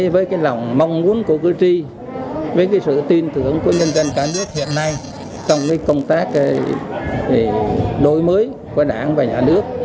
với cái lòng mong muốn của cư tri với cái sự tin tưởng của nhân dân cả nước hiện nay trong cái công tác đổi mới của đảng và nhà nước